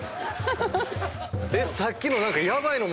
さっきの。